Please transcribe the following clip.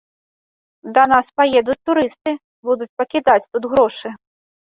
Да нас паедуць турысты, будуць пакідаць тут грошы.